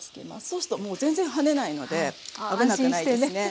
そうするともう全然はねないので危なくないですね。